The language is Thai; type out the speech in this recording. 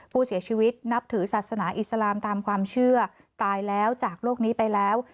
ผู้เสียชีวิตนับถือศาสนาอิสลามตามความเชื่อตายแล้วจากโลกนี้ไปแล้ว